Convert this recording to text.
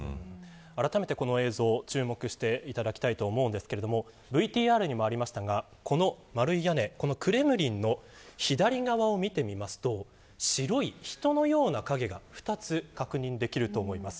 あらためてこの映像注目していただきたいと思いますがＶＴＲにもありましたがこの丸い屋根クレムリンの左側を見てみると白い人のような影が２つ確認できると思います。